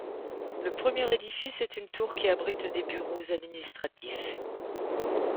Le premier édifice est une tour qui abrite les bureaux administratifs.